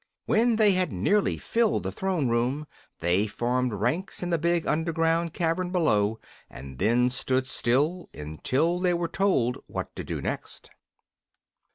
When they had nearly filled the throne room they formed ranks in the big underground cavern below, and then stood still until they were told what to do next.